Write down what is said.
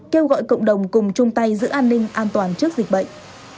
kêu gọi cộng đồng cùng chung tay giữ an ninh an toàn trước dịch bệnh